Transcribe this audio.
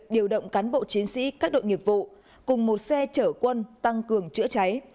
điều động cán bộ chiến sĩ các đội nghiệp vụ cùng một xe chở quân tăng cường chữa cháy